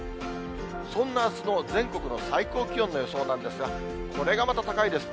そんなあすの全国の最高気温の予想なんですが、これがまた高いです。